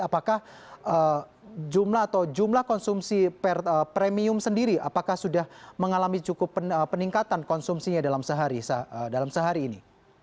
apakah jumlah atau jumlah konsumsi premium sendiri apakah sudah mengalami cukup peningkatan konsumsinya dalam sehari ini